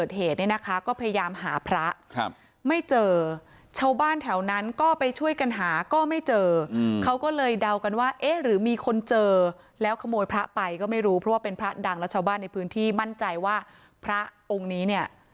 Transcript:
เกิดเหตุเนี่ยนะคะก็พยายามหาพระไม่เจอชาวบ้านแถวนั้นก็ไปช่วยกันหาก็ไม่เจอเขาก็เลยเดากันว่าเอ๊ะหรือมีคนเจอแล้วขโมยพระไปก็ไม่รู้เพราะว่าเป็นพระดังแล้วชาวบ้านในพื้นที่มั่นใจว่าพระองค์นี้เนี่ย